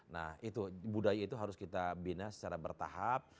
nah itu budaya itu harus kita bina secara bertahap